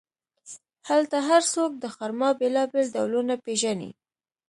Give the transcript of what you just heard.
هلته هر څوک د خرما بیلابیل ډولونه پېژني.